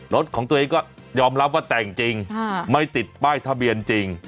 รถของตัวเองก็ยอมรับว่าแต่งจริงไม่ติดป้ายทะเบียนจริง